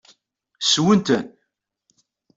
Ssewwen-ten?